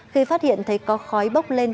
khi phát hiện thấy có khói bốc lên